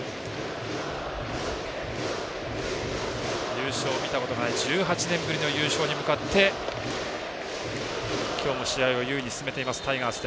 優勝を見たことがない１８年ぶりの優勝に向かって今日も試合を優位に進めているタイガース。